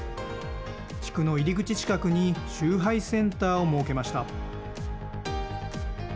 地区の入り口近くに集配センターを設けました。